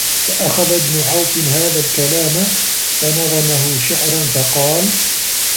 فَأَخَذَ ابْنُ عَوْفٍ هَذَا الْكَلَامَ فَنَظَمَهُ شِعْرًا فَقَالَ